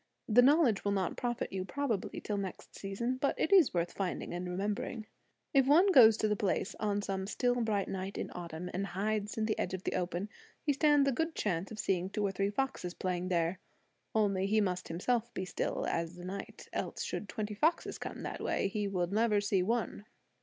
(The knowledge will not profit you probably till next season; but it is worth finding and remembering.) If one goes to the place on some still, bright night in autumn, and hides on the edge of the open, he stands a good chance of seeing two or three foxes playing there. Only he must himself be still as the night; else, should twenty foxes come that way, he will never see one.